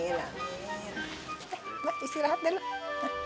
emak istirahat dahulu